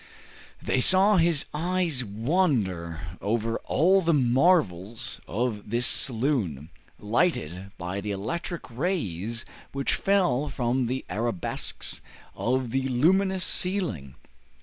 They saw his eyes wander over all the marvels of this saloon, lighted by the electric rays which fell from the arabesques of the luminous ceiling.